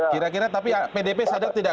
kira kira tapi pdp sadar tidak